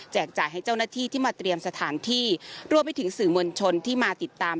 จ่ายให้เจ้าหน้าที่ที่มาเตรียมสถานที่รวมไปถึงสื่อมวลชนที่มาติดตาม